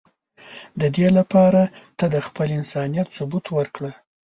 د دی لپاره ته د خپل انسانیت ثبوت ورکړه.